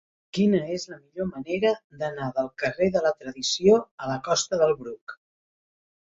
Quina és la millor manera d'anar del carrer de la Tradició a la costa del Bruc?